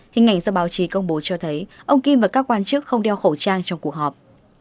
hình ảnh do báo chí công bố cho thấy ông kim và các quan chức không đeo khẩu trang trong cuộc họp